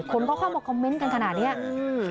คนก็เข้ามาคอมเมนต์กันขนาดเนี้ยอืม